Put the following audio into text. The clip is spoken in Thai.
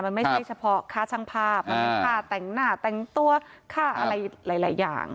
มันไม่ใช่เฉพาะค่าช่างภาพมันเป็นค่าแต่งหน้าแต่งตัวค่าอะไรหลายอย่าง